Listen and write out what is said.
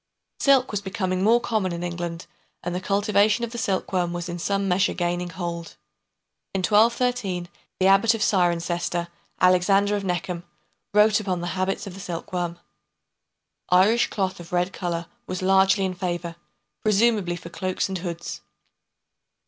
Silk was becoming more common in England, and the cultivation of the silkworm was in some measure gaining hold. In 1213 the Abbot of Cirencester, Alexander of Neckham, wrote upon the habits of the silkworm. Irish cloth of red colour was largely in favour, presumably for cloaks and hoods.